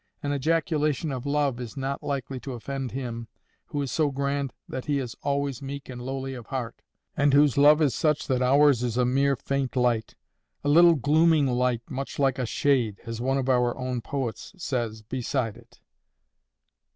An ejaculation of love is not likely to offend Him who is so grand that He is always meek and lowly of heart, and whose love is such that ours is a mere faint light—'a little glooming light much like a shade'—as one of our own poets says, beside it."